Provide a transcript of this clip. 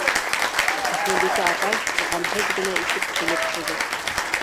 Әсмәбикә апай ғәмһеҙ генә итеп көлөп ҡуйҙы: